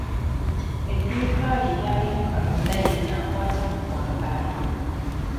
Edduuka lye lyalimu buli kalonda yenna akwata ku kwambala.